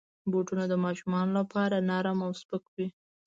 بوټونه د ماشومانو لپاره نرم او سپک وي.